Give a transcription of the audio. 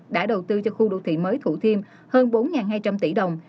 đã đầu tư cho khu đô thị mới thủ thiêm hơn bốn hai trăm linh tỷ đồng